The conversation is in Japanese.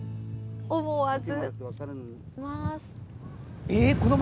思わず。